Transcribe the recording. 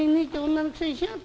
女のくせにしやがって。